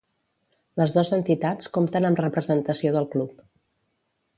Les dos entitats compten amb representació del Club.